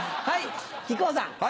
はい。